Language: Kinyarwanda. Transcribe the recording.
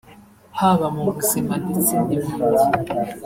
haba mu buzima ndetse n’ibindi